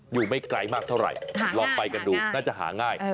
ไม่ไกลมากเท่าไหร่ลองไปกันดูน่าจะหาง่าย